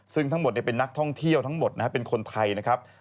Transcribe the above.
ซึ่งทั้งหมดเป็นนักท่องเที่ยวทั้งหมดนะครับเป็นคนไทยนะครับ